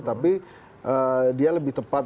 tapi dia lebih tepat